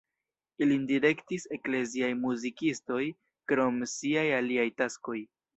Ilin direktis ekleziaj muzikistoj krom siaj aliaj taskoj.